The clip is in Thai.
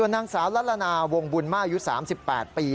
ส่วนนางสาวละละนาวงบุญม่ายุ๓๘ปี